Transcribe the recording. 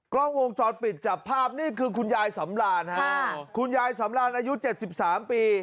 กล้องวงสอดปิดจับภาพนี่คือคุณยายสำราญฮะคุณยายสำราญอายุเจ็ดสิบสามปี